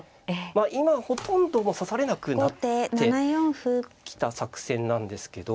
今ほとんど指されなくなってきた作戦なんですけど。